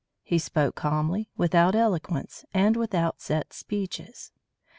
All spoke calmly, without eloquence, and without set speeches.